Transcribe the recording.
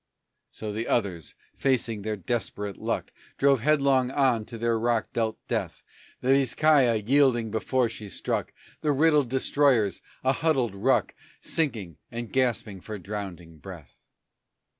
So the others, facing their desperate luck, Drove headlong on to their rock dealt death The Vizcaya, yielding before she struck, The riddled destroyers, a huddled ruck, Sinking, and gasping for drowning breath.